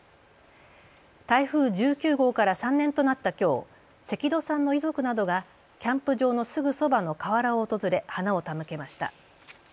台風１９号から３年となったきょう、関戸さんの遺族などがキャンプ場のすぐそばの河原を訪れ花を手向けました。